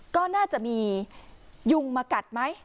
ก็น่าจะมียุงมากัดไหม